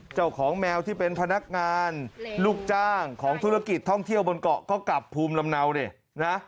เจ้าของแมวที่เป็นพนักงานลูกจ้างของธุรกิจท่องเที่ยวบนเกาะก็กลับภูมิลำเนาดินะ